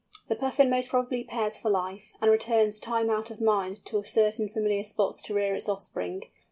The Puffin most probably pairs for life, and returns time out of mind to certain familiar spots to rear its offspring.